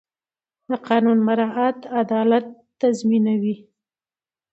د قانون مراعت عدالت تضمینوي